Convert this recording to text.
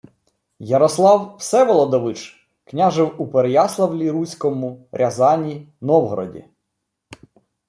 «Ярослав Всеволодович… княжив у Переяславлі-Руському, Рязані, Новгороді